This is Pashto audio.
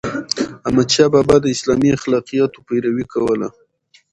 احمدشاه بابا د اسلامي اخلاقياتو پیروي کوله.